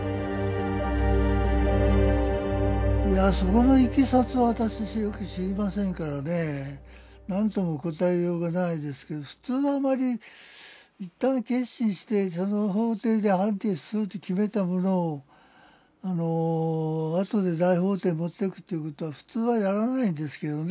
いやそこのいきさつは私よく知りませんからねなんとも答えようがないですけど普通はあまり一旦結審してその法廷で判決すると決めたものをあとで大法廷持ってくっていうことは普通はやらないんですけどね。